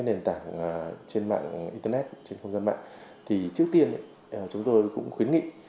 đối với lại người dân những người hiện nay sử dụng các nền tảng trên mạng internet trên không gian mạng thì trước tiên chúng tôi cũng khuyến nghị